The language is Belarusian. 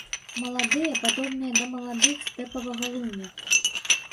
Маладыя падобныя да маладых стэпавага луня.